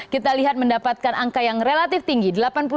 kita lihat mendapatkan angka yang relatif tinggi delapan puluh tujuh satu